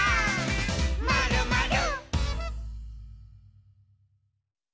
「まるまる」